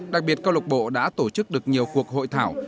đặc biệt công lạc bộ đã tổ chức được nhiều cuộc hội thảo